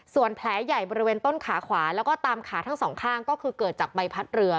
ส่วนแผลใหญ่บริเวณต้นขาขวาแล้วก็ตามขาทั้งสองข้างก็คือเกิดจากใบพัดเรือ